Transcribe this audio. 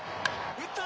打った。